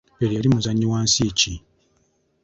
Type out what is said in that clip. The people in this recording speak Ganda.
Pere yali muzannyi wa nsi ki ?